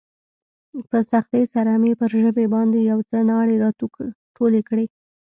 په سختۍ سره مې پر ژبې باندې يو څه ناړې راټولې کړې.